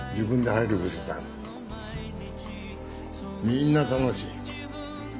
みんな楽しい。